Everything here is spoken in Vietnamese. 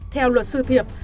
theo luật sư thiệp